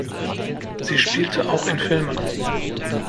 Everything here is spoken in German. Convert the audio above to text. Sie spielte auch in Filmen.